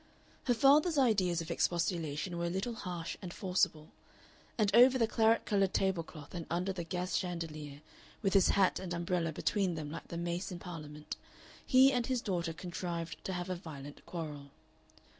Her father's ideas of expostulation were a little harsh and forcible, and over the claret colored table cloth and under the gas chandelier, with his hat and umbrella between them like the mace in Parliament, he and his daughter contrived to have a violent quarrel.